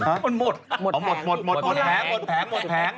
หมดหมดแผงหมดแผงหมดแผงหมดแผงหมดแผงหมดแผง